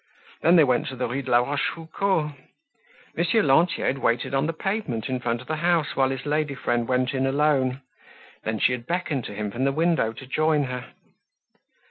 Then they went to the Rue de La Rochefoucauld. Monsieur Lantier had waited on the pavement in front of the house while his lady friend went in alone. Then she had beckoned to him from the window to join her.